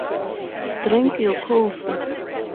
Drink your coffee.